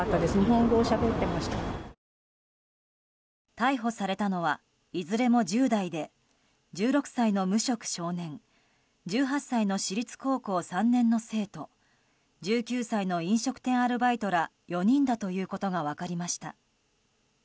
逮捕されたのはいずれも１０代で１６歳の無職少年１８歳の私立高校３年の生徒１９歳の飲食店アルバイトら４人だということが分かりました。